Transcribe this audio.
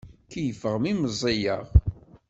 Keyyfeɣ mi meẓẓiyeɣ.